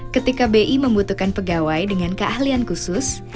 ketika bi membutuhkan pegawai dengan keahlian khusus